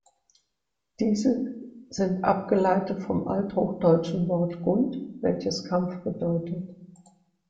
Diese sind abgeleitet vom althochdeutschen Wort "gund", welches Kampf bedeutet.